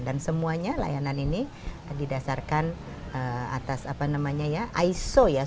dan semuanya layanan ini didasarkan atas apa namanya ya iso ya